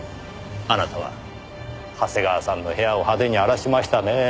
あなたは長谷川さんの部屋を派手に荒らしましたねぇ。